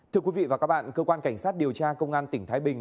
thưa quý vị và các bạn cơ quan cảnh sát điều tra công an tỉnh thái bình